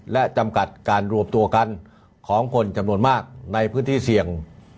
และจำกัดการรวมตัวกันของคนจำนวนมากในพื้นที่เสี่ยง